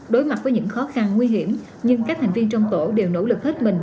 đối mặt với những khó khăn nguy hiểm nhưng các thành viên trong tổ đều nỗ lực hết mình